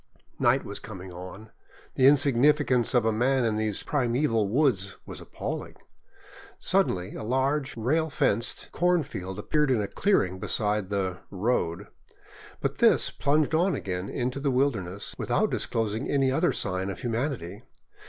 Night was coming on. The insignificance of man in these primeval woods was appalling. Suddenly a large, rail fenced cornfield appeared in a clearing beside the " road," but this plunged on again into the wilder ness without disclosing any other sign of humanity.